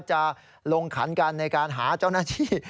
จะลงขันกันในการหาเจ้าหน้าที่